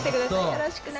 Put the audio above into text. よろしくね。